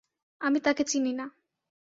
আমি তাকে চিনি না।